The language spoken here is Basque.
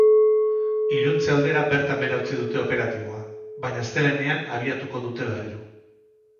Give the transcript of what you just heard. Iluntze aldera bertan behera utzi dute operatiboa, baina astelehenean abiatuko dute berriro.